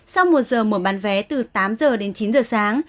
sau một giờ mở bán vé từ tám giờ đến chín giờ sáng